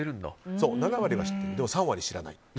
でも３割知らない。